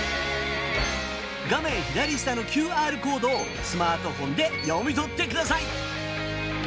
画面左下のＱＲコードをスマートフォンで読み取ってください。